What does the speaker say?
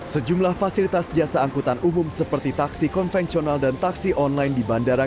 sejumlah fasilitas jasa angkutan umum seperti taksi konvensional dan taksi online di bandara